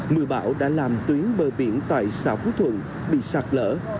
mưa bão đã làm tuyến bờ biển tại xã phú thuận bị sạc lỡ